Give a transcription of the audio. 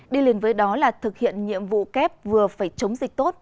đi liền với đó là thực hiện nhiệm vụ kép vừa phải chống dịch tốt